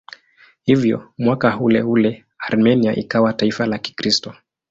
Hivyo mwaka uleule Armenia ikawa taifa la Kikristo.